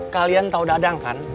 kalian tau dadang kan